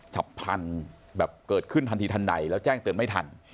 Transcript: ฉับพันธุ์แบบเกิดขึ้นทันทีทันใดแล้วแจ้งเตือนไม่ทัน